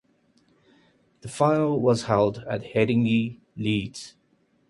The final was held at Headingley, Leeds.